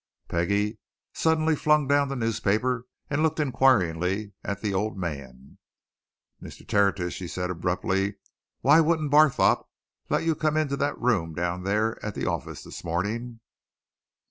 Peggie suddenly flung down the newspaper and looked inquiringly at the old man. "Mr. Tertius," she said abruptly, "why wouldn't Barthorpe let you come into that room down there at the office this morning?"